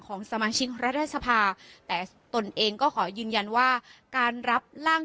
ของสมาชิกรัฐสภาแต่ตนเองก็ขอยืนยันว่าการรับร่าง